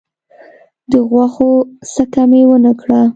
د غوښو څکه مي ونه کړه .